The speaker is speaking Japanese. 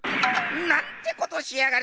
なんてことしやがる！